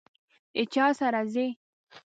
د چا سره ځئ؟